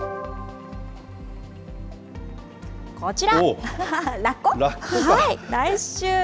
こちら。